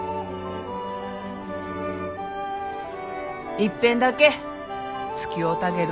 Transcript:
いっぺんだけつきおうたげる。